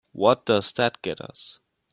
What does that get us?